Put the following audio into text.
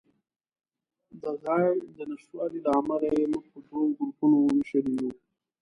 د ځای د نشتوالي له امله یې موږ په دوو ګروپونو وېشلي یو.